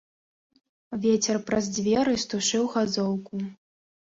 Вецер праз дзверы стушыў газоўку.